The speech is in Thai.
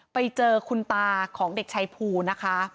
ไปเจอคุณตาของเด็กชายภูนะคะ